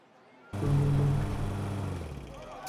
অনেক দিন ধরে তোমার ডানা কাটার অপেক্ষায় ছিলাম, ইকারিস!